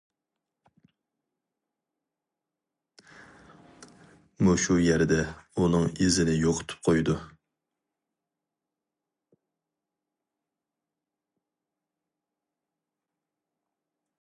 مۇشۇ يەردە ئۇنىڭ ئىزىنى يوقىتىپ قويىدۇ.